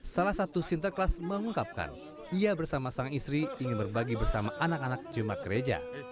salah satu sinterklas mengungkapkan ia bersama sang istri ingin berbagi bersama anak anak jumat gereja